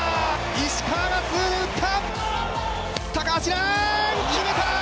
石川がツーで打った。